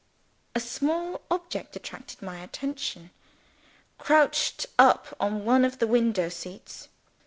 A small object attracted my attention, crouched up on one of the window seats.